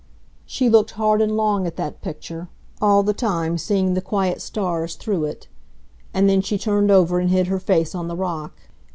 She looked hard and long at that picture, all the time seeing the quiet stars through it. And then she turned over and hid her face on the rock.